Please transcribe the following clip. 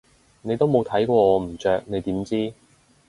你都冇睇過我唔着你點知？